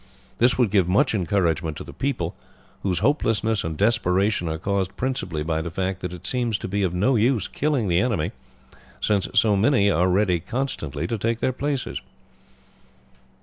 This would give much encouragement to the people, whose hopelessness and desperation are caused principally by the fact that it seems to be of no use killing the enemy, since so many are ready constantly to take their places."